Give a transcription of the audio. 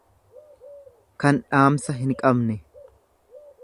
kan dhaamsa hinqabne.